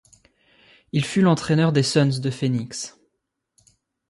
Il fut l'entraîneur des Suns de Phoenix.